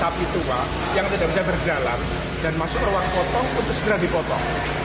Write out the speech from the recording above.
sapi tua yang tidak bisa berjalan dan masuk ruang potong untuk segera dipotong